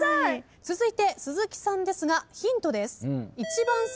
続いて鈴木さんですがヒントです。